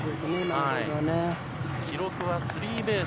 記録はスリーベース。